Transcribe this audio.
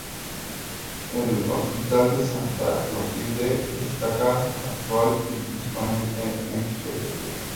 El hospital de Santa Clotilde destaca actual y principalmente en geriatría.